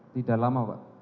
tidak lama pak